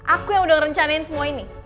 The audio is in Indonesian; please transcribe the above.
aku yang udah ngerencanain semua ini